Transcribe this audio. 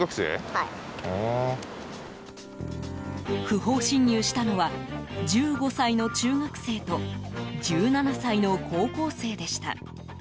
不法侵入したのは１５歳の中学生と１７歳の高校生でした。